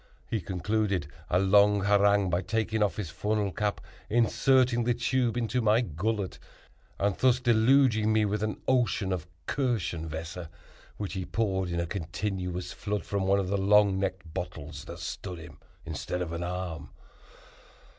He concluded a long harangue by taking off his funnel cap, inserting the tube into my gullet, and thus deluging me with an ocean of Kirschenwässer, which he poured, in a continuous flood, from one of the long necked bottles that stood him instead of an arm.